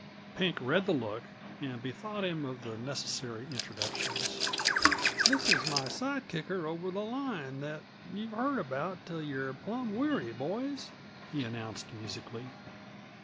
Pink read the look, and bethought him of the necessary introductions. "This is my side kicker over the line that you've heard about till you're plumb weary, boys," he announced musically.